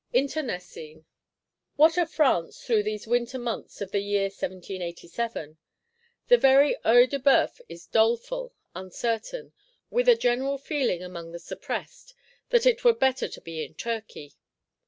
Internecine. What a France, through these winter months of the year 1787! The very Œil de Bœuf is doleful, uncertain; with a general feeling among the Suppressed, that it were better to be in Turkey.